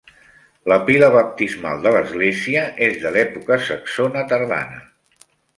La pila baptismal de l'església és de l'època saxona tardana.